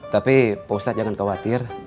tapi pak ustadz jangan khawatir